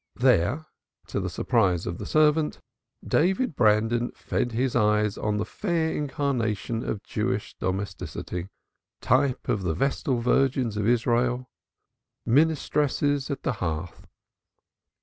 There, dead to the surprise of the servant, David Brandon fed his eyes on the fair incarnation of Jewish domesticity, type of the vestal virgins of Israel, Ministresses at the hearth.